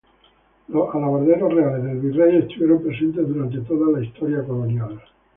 Los Alabarderos Reales del Virrey estuvieron presentes durante toda la historia colonial.